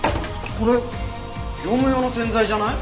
これ業務用の洗剤じゃない？